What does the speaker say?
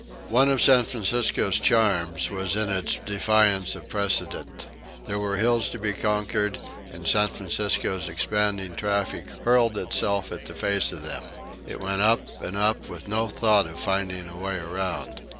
One of San Francisco's charms was in its defiance of precedent. There were hills to be conquered, and San Francisco' s expanding traffic hurled itself at the face of them. It went up and up, with no thought of finding a way around.